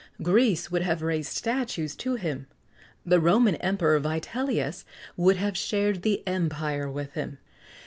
Greece would have raised statues to him; the Roman emperor Vitellius would have shared the Empire with him.